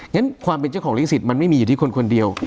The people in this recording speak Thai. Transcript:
งั้นความเป็นเจ้าของลิขสิทธิ์มันไม่มีอยู่ที่คนคนเดียว